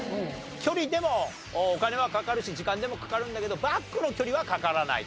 距離でもお金はかかるし時間でもかかるんだけどバックの距離はかからないと。